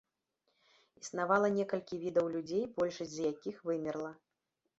Існавала некалькі відаў людзей, большасць з якіх вымерла.